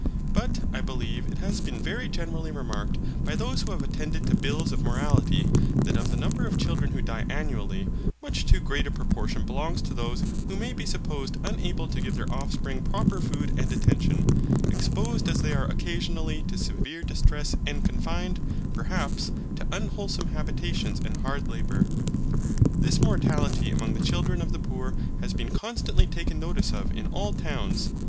But I believe it has been very generally remarked by those who have attended to bills of mortality that of the number of children who die annually, much too great a proportion belongs to those who may be supposed unable to give their offspring proper food and attention, exposed as they are occasionally to severe distress and confined, perhaps, to unwholesome habitations and hard labour. This mortality among the children of the poor has been constantly taken notice of in all towns.